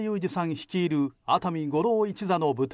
率いる「熱海五郎一座」の舞台